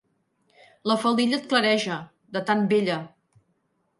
La faldilla et clareja, de tan vella.